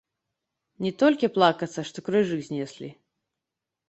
Не толькі плакацца, што крыжы знеслі.